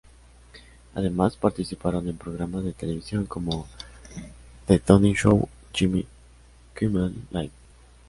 Además, participaron en programas de televisión como "The Tonight Show", "Jimmy Kimmel Live!